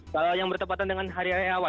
kalau yang bertepatan dengan hari hari awal saat